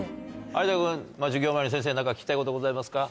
有田君授業前に先生に何か聞きたいことございますか？